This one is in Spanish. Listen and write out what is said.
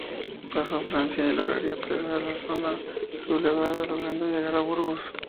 Pasó a Francia y lograría pasar a la zona sublevada, logrando llegar a Burgos.